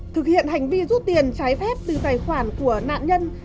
thực hiện hành vi rút tiền trái phép từ tài khoản của nạn nhân